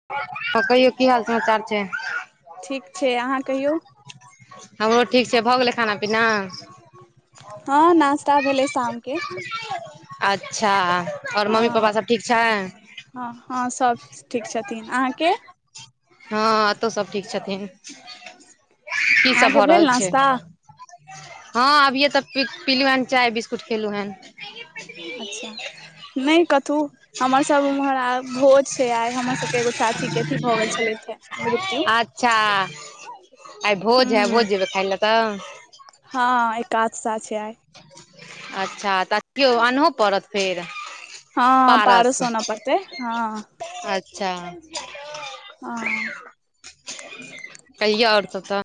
[unintelligible] और कहियो की हाल समाचार छै ठीक छै अहाँ कहियौ हमरो ठीक छै भऽ गेलै खाना पीना हँ नास्ता भेले शाम के अच्छा और हँ मम्मी पापा सब ठीक छैय हँ हँ सभ ठीक छथिन अहाँके [inaudible] हँ एतौ सब ठीक छथिन की सब अहाँके भऽ भेल रहल छै नाश्ता हँ अभिये तऽ पीलु हेन चाय बिस्कुट खेलु हन अच्छा नहि कथहु हमरसभ उम्हर भोज छै आइ हमर सब एगो चाची के अथी भऽ गेल छलथि हऽ मृत्यु अच्छा आइ भोज है हूँ भोज जेबै खााय लए तऽ हँ एकादशा छै आय अच्छा तऽ केयओ आनहो पड़त फेर हँ पारस आनाओ पड़तै हँ अच्छा हँ कहिय और सब तऽ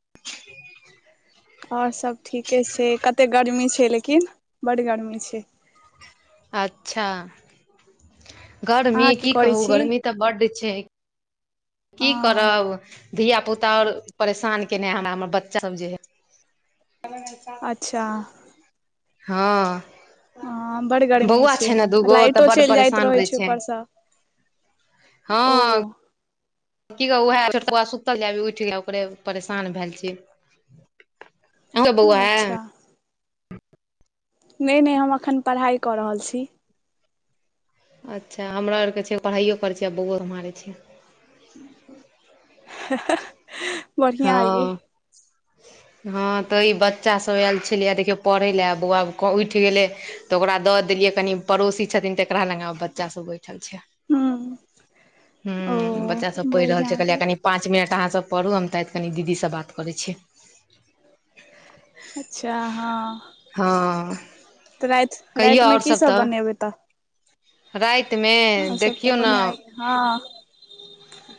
आओर सब ठीके छै कते गर्मी छै लेकिन बड्ड गर्मी छै अच्छा अहाँ गर्मी की करै कहू छी गर्मी तऽ बड्ड छै की हँ करब धिया पुता आओर परेशान केनेै हमरा हमर बच्चा सब जे है अच्छा हँ हँ बड़ गर्मी बौआ छै नऽ दूगो तऽ लाइटो बड्ड चलि जाइत परेशान रहैत करे छै ऊपरसँ ओ हँ की कहू उएह छोटकुआ सुतल जा उठि ओकरे परेशान भेल छी आहे के बौआ अच्छा हेय नहि नहि हम अखन पढ़ाई कऽ रहल छी अच्छा हमरा आरके छै पढ़ाईओ करै छै आ बौओ हमरा मारय छिय [unintelligible] बढ़िआ हँ आइे [inaudible] हँ तऽ ई बच्चासभ आयल छलै देखियौ पढ़ै लए आ बौआ उठि गेलै तऽ ओकरा दऽ देलियै कनि पड़ोसी छथिन तऽ एकरा लग बच्चा सब बैठल छै हूँ हू ओ बच्चा सब पढ़ि रहल बढ़िआँ छै कहलियै अइ कनि पाँच मिनट अहाँ सब पढ़ू हम कनी दीदीसँ बात करै छी अच्छा हँ हँ तऽ राति कहियौ रातिमे आओर की सब तऽ बनेबै तऽ रातिमे अहाँ सब तऽ देखियौ नऽ बढ़िआँ अइ हँ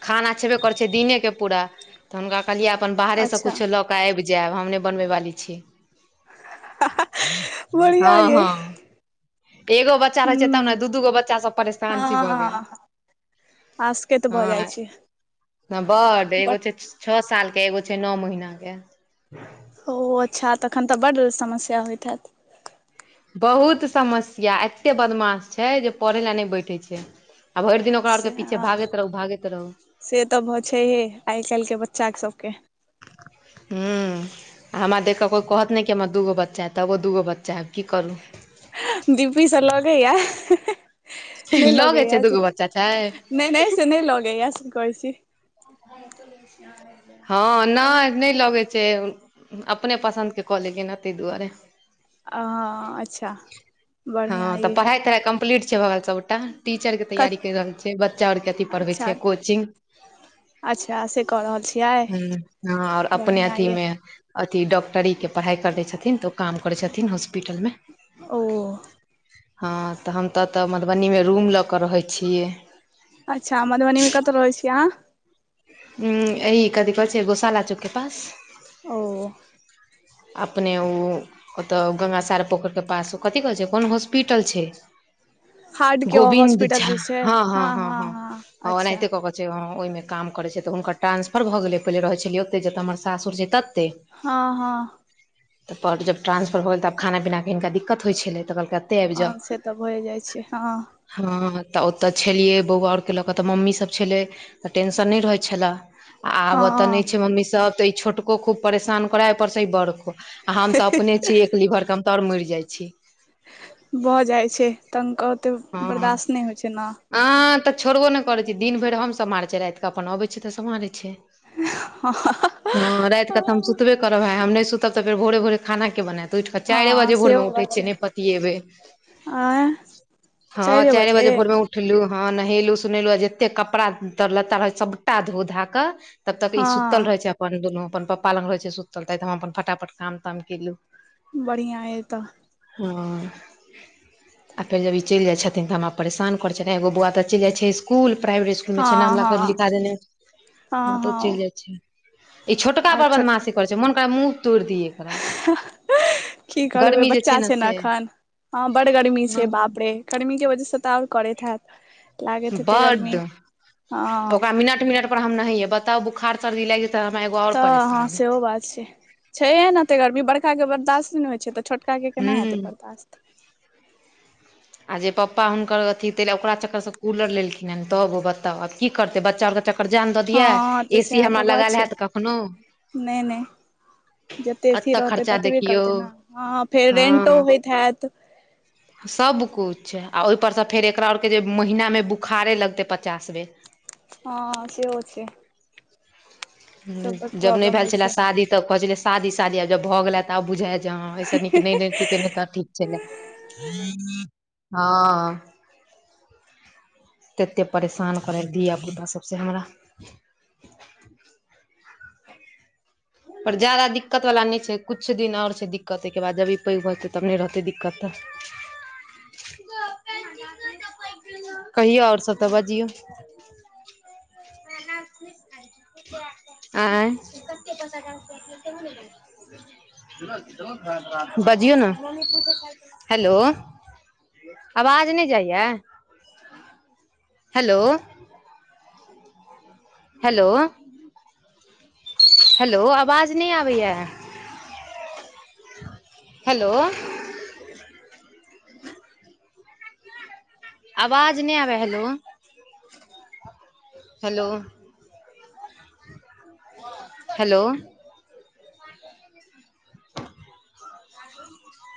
खाना छेबे करैत छै दिनेके पूरा तऽ हुनका कहलियै अपन बाहरेसँ अच्छा किछलक आइब जायब हम नहि बनै वाली छी बढ़िआँ हँ अइ हँ एगो बच्चा रहै छै तब नऽ हूँ दू दूगो बच्चासभ परेशान छी भऽ गेल आसकेतऽ भऽ हँ जाइत छै बड एगो बट छै छओ साल के एगो छै नओ महीना के ओ अच्छा तखन तऽ बड समस्या होइत हैत बहुत समस्या एतेक बदमाश छै जे पढ़य लेल नहि बैठै छै आ भरि दिन ओकरा से आओरके पीछे हँ भागैत रहू भागैत रहू से तऽ भऽ छैहिये आइ काल्हिके बच्चा सभके हूं आ हमरा देख कऽ कोइ कहत नहि कि हमरा दूगो बच्चा हय तबो दूगो बच्चा हय की करू डीपीसे लगै यऽ नहि लगै लगैय छै यजे दूगो बच्चा छै नहि नहि एसे नहि लगैय से कहै छी हँ नहि नहि लगेत छै अपने पसन्दके कऽ लेलिए नऽ ताहि दुआरे अऽ अच्छा हँ बढ़िआँ तऽ अइ पढ़ाइ तढ़ाइ कम्प्लीट छैय भगेल सबटा टीचर के क तैयारी कैर रहल छै बच्चा आर के अथी पढ़बे छै अच्छा कोचिंग अच्छा से कऽ रहल छी हँ आओर अपने अथीमे अथि डॉक्टरीके पढ़ाइ करने छथिन तऽ ओ काम करै छथिन हॉस्पिटलमे ओ हँ तऽ हम तऽ तऽ मधुबनीमे रूम लऽ कऽ रहै छियै अच्छा मधुबनीमे कतऽ रहै छिय अहाँ अथी कथी कहै छै गोशाला चौक के पास ओ अपने ओ ओतय गंगासार पोखरिके पास ओ कथी कहै छै कोन हॉस्पिटल छै हार्टके गोविन्द हॉस्पिटल झा जे छै हँ हँ हँ हँ हँ अच्छा अनाहिते कऽ के जे हँ ओहिमे काम करैत छै तऽ हुनकर ट्रा्सफर भऽ गेलै पहिले रहै छलियै ओतेक जतऽ हमर सासुर छै तते हँ हँ तऽ पर जब ट्रांसफर भगेल तब खाना पिनाके हिनका दिक्कत होइ छलै तऽ कहलकै एतऽ आबि हँ जाउ से तऽ होए जाइ छै हँ हँ तऽ ओतऽ छलियै बौआ आऔर के लऽ क तऽ मम्मी सब छले तऽ टेंशन नहि रहै छलए आब ओतऽ हँ नहि छै मम्मी सब तऽ ई छोटको खूब परेशान करे आ उपरसे ई बड़को आ हम तऽ अपने छी एक लीवर के हम तऽ आओर मरि जाइ छी भऽ जाइ छै तंग कर हँ हँ हँ तऽ छोड़बो नहि करै छै दिन भरि हम सम्हारै छियै रातिके अपन अबै छै तऽ सम्हारै छै। हँ [inaudible] हँ राति कऽ तऽ हम सुतबे करब भाय हम नय सुतब तऽ फेर भोेरे भोरे खाना के बनैत तऽ उठि कऽ चारिये हँ बजे भोरमे सेहो उठै बात छियै छै नय पतियेबै आँय हँ चारि बजे भोरमे उठ उठलु हँ नहेलु सुनेलु आ जतेक कपड़ा तर लत्ता रहै छै सभटा धो धा कऽ तब तक ई सुतल हँ रहै छै अपन दुनू अपन पापा लंग रहेै छै सुतल तात हम अपन फटाफट काम ताम केलु बढ़ियाँ अए तऽ हँ आ फेर जब ई चलि जाइ छथिन तऽ हमरा परेशान करै छथि एगो बौआ तऽ चलि जाइ छै स्कूल प्राइवेट स्कुल मे छै हँ नाम लोके हँ लिखा देने हँ तऽ ओ चलि जाइ छै। ई छोटका आर बर छोट बदमासी करै छै मोन करइ मुँह तोड़ि दि एकरा की करबै गर्मी जे बच्चा छै ने से एखन। हँ बड्ड गर्मी हँ छै बाप रे गर्मीे के वजह से तऽ आओर करैत हैत। लागैत हेतै बड्ड गर्मी हँ ओकरा मिनट मिनट पर हम नहैये बताउ बोखार सर्दी लाइग जेते तऽ हमरा एगो आओर तऽ हँ परेशानी सेहो बात छै छैेहे न एते गर्मी बड़काके बर्दाश्ते नय होइ छै तऽ छोटकाके केना हेतै हूँ बर्दाश्त। आ जे पप्पा हुनकर अथी तैले ओकरा चक्कर से कूलर लेलखिन हेन तबो बताउ आब की करतै बच्चा आओर के चक्कर मे जान दऽ दियै हँ तऽ ए सी सएह तऽ हमरा बात लगैल छै हेत कखनो जते ए सी एतऽ रहतै खर्चा ततबे देखियौ करतै ने हँ फेर रेंटो हँ होइत हैत। सब कुछ आ ओहिपर सँ फेर एकरा आरके जे महिनामे बुखारे लगतै पचास बेर हँ सेहो छै सब बड जब नय प्रॉब्लम भेल होइ छलै छै शादी तब कहै छलियै शादी शादी आब जब भऽ गेलै तऽ आब बुझाइ हे जे हँ ऐसे नीक नय रहिति कैने तऽ ठीक छेलै हँ तेते परेशान करै हे धिया पुता सबसे हमरा पर जादा दिक्कत वला नय छै कुछ दिन आओर छै दिक्कत ओ एहिके बाद जभी पैघ भऽ जेतै तब नय रहतै दिक्कत। [inaudible] कहियौ आओर सभ तऽ बजियौ आँय बजियौ न हेलो आवाज नय जाइये हेलो हेलो हेलो आवाज नय आबै ये हेलो आवाज नय आबै हेलो हेलो हेलो